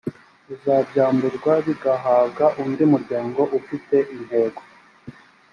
uzabyamburwa bigahabwa undi muryango ufite intego